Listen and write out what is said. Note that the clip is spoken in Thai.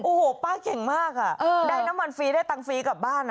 โอ้โหป้าเก่งมากอ่ะได้น้ำมันฟรีได้ตังค์ฟรีกลับบ้าน